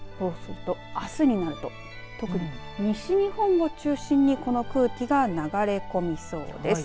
あすになると特に西日本を中心にこの空気が流れ込みそうです。